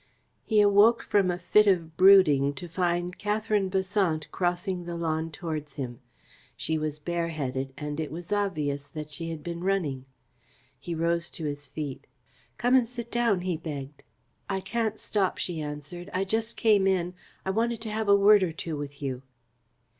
He awoke from a fit of brooding to find Katherine Besant crossing the lawn towards him. She was bareheaded and it was obvious that she had been running. He rose to his feet.. "Come and sit down," he begged. "I can't stop," she answered. "I just came in. I wanted to have a word or two with you."